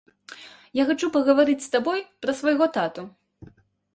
Я хачу пагаварыць з табой пра свайго тату.